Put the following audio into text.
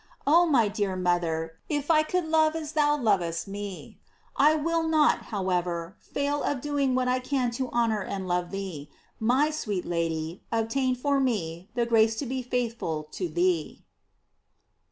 J Oh my dear mother, if I could love as thou lovest me ! I will not, however, fail of doing what I can to honor and love thee ; my sweet Lady, obtain for me the grace to be faith ful to thee.